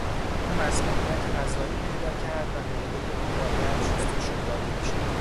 او مسمومیت غذایی پیدا کرد و معدهی او باید شستشو داده میشد.